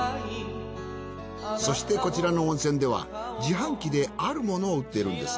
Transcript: そしてこちらの温泉では自販機であるものを売っているんです。